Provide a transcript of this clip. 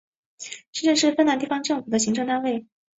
市镇是芬兰地方政府的行政单位。